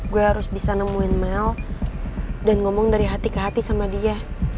gue harus bisa nemuin mel dan ngomong dari hati ke hati sama dia